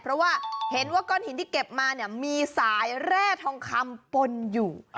เพราะว่าเห็นว่าก้อนหินที่เก็บมาเนี่ยมีสายแร่ทองคำปนอยู่